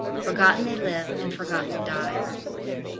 Forgotten they live, and forgotten die.